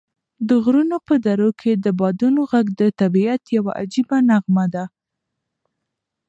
د غرونو په درو کې د بادونو غږ د طبعیت یوه عجیبه نغمه ده.